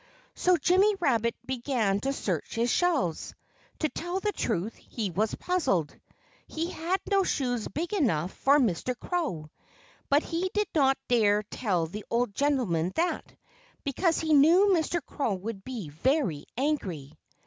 So Jimmy Rabbit began to search his shelves. To tell the truth, he was puzzled. He had no shoes big enough for Mr. Crow. But he did not dare tell the old gentleman that, because he knew Mr. Crow would be very angry.